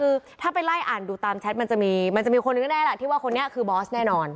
คือถ้าไปไล่อ่านดูตามแชทมันจะมีมันจะมีคนหนึ่งแน่แหละที่ว่าคนนี้คือบอสแน่นอน